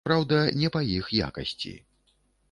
Праўда, не па іх якасці.